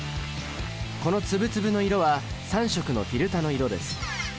この粒々の色は３色のフィルタの色です。